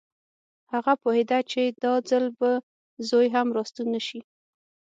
هغه پوهېده چې دا ځل به زوی هم راستون نه شي